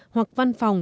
hoặc văn phòng